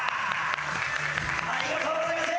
ありがとうございます